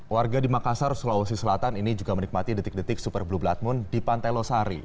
warga di makassar sulawesi selatan ini juga menikmati detik detik super blue blood moon di pantai losari